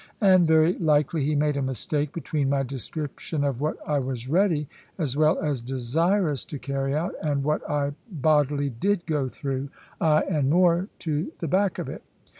And very likely he made a mistake between my description of what I was ready, as well as desirous, to carry out, and what I bodily did go through, ay, and more, to the back of it.